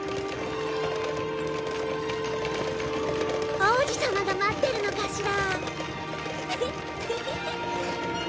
王子様が待ってるのかしら。